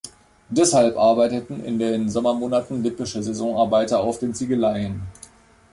Deshalb arbeiteten in den Sommermonaten lippische Saisonarbeiter auf den Ziegeleien.